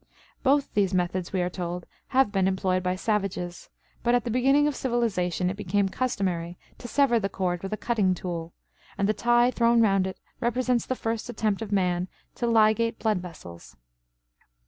Both these methods, we are told, have been employed by savages; but at the beginning of civilization it became customary to sever the cord with a cutting tool, and the tie thrown round it represents the first attempt of man to ligate blood vessels.